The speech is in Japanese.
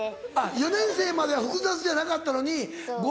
４年生までは複雑じゃなかったのに５。